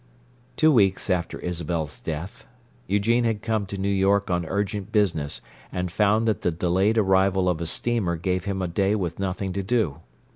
Two weeks after Isabel's death, Eugene had come to New York on urgent business and found that the delayed arrival of a steamer gave him a day with nothing to do.